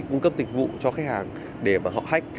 cung cấp dịch vụ cho khách hàng để mà họ hack